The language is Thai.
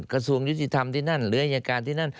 กระทรวงยุติธรรมที่นั่นหรืออายการที่นั่น